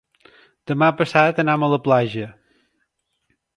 Demà passat anam a la platja.